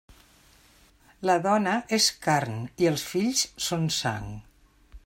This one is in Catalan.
La dona és carn i els fills són sang.